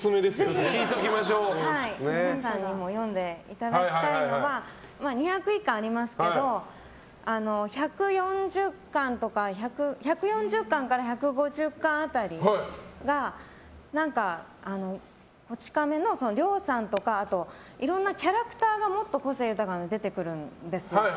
ぜひ初心者さんにも読んでいただきたいのが２０１巻ありますけど１４０巻から１５０巻辺りが何か、「こち亀」の両さんとかいろんなキャラクターがもっと個性豊かに出てくるんですよ。